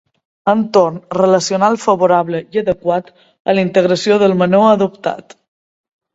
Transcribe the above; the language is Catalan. Entorn relacional favorable i adequat a la integració del menor adoptat.